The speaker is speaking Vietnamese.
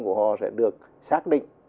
của họ sẽ được xác định